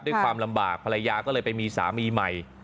ด้วยความลำบากภรรยาก็เลยไปมีสามีใหม่